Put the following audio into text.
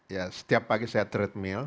ya setiap pagi saya treadmil